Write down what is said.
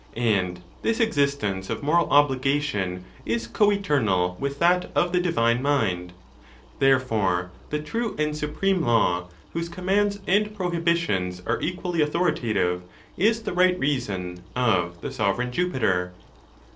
And this existence of moral obligation is co eternal with that of the divine mind. Therefore, the true and supreme law, whose commands and prohibitions are equally _ authoritative, is the right reason of the Sovereign Jupiter.